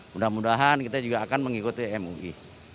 mudah mudahan kita juga akan mengikuti mui